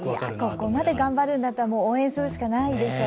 ここまで頑張るんだったら応援するしかないでしょう。